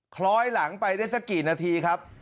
คล้อยหลังไปได้สักกี่นาทีครับ